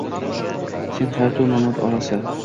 Sen hayot-u mamot orasi –